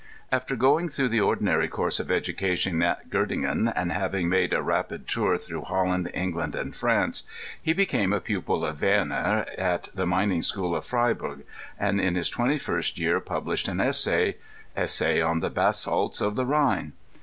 After going through the ordinary course of education at Gottingen, and having made a rapid tour through Holland, England, and France, he became a pu pil of Werner at the mining school of Freyburg, and in his 21st year published an "Essay on the Basalts of the Rhine.'